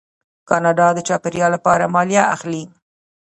کاناډا د چاپیریال لپاره مالیه اخلي.